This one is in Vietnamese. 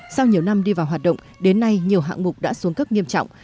sau nhiều năm đi vào hoạt động đến nay nhiều hạng mục đã xuống cấp nghiêm trọng